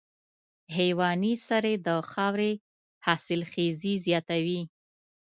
حیواني سرې د خاورې حاصلخېزي زیاتوي.